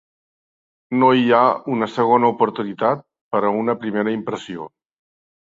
No hi ha una segona oportunitat per a una primera impressió.